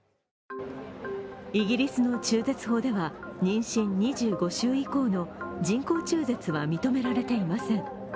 イギリスの中絶法では妊娠２５週以降の人工中絶は認められていません。